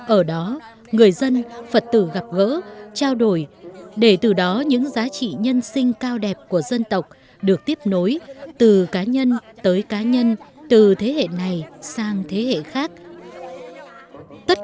ở đó người dân phật tử gặp gỡ trao đổi để từ đó những giá trị nhân sinh cao đẹp của dân tộc được tiếp nối từ cá nhân tới cá nhân từ thế hệ này sang thế hệ khác